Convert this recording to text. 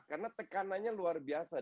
karena tekanannya luar biasa